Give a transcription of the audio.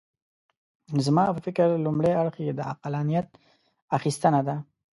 زما په فکر لومړی اړخ یې د عقلانیت اخیستنه ده.